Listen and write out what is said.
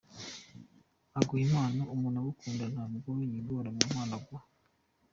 Aguha impano : Umuntu ugukunda ntabwo yigora mu mpano aguha.